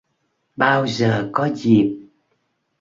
Bao giờ có dịp